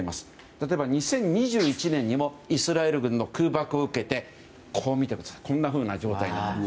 例えば２０２１年にもイスラエル軍の空爆を受けてこんなふうな状態になりました。